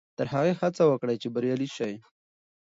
تر هغې هڅه وکړئ چې بریالي شئ.